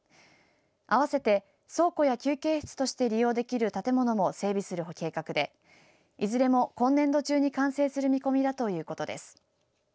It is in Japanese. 合わせて倉庫や休憩室として利用できる建物も整備する計画でいずれも今年度中に完成する見込みだということです。